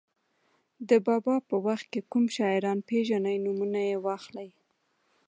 د بابا په وخت کې کوم شاعران پېژنئ نومونه یې واخلئ.